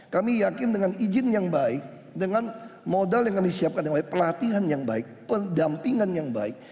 kami yakin dengan izin yang baik dengan modal yang kami siapkan yang baik pelatihan yang baik pendampingan yang baik